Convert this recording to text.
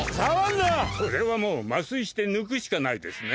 それはもう麻酔して抜くしかないですね。